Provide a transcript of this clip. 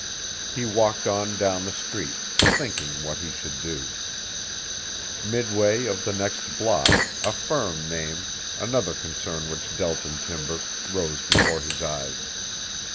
He walked on down the street, thinking what he should do. Midway of the next block, a firm name, another concern which dealt in timber, rose before his eyes.